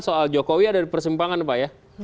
soal jokowi ada di persimpangan pak ya